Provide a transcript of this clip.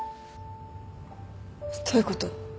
どういうこと？